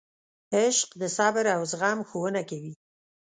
عشق د صبر او زغم ښوونه کوي.